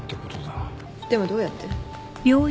でもどうやって？